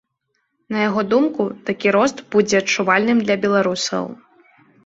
На яго думку, такі рост будзе адчувальным для беларусаў.